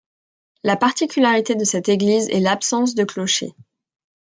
La particularité de cette église est l'absence de clocher.